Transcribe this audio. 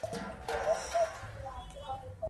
د یعقوب علیه السلام کورنۍ ته ډېر وخت ورکړل شو.